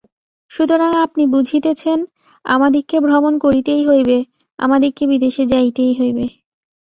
সুতরাং আপনি বুঝিতেছেন, আমাদিগকে ভ্রমণ করিতেই হইবে, আমাদিগকে বিদেশে যাইতেই হইবে।